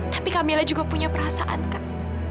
tapi kamila juga punya perasaan kak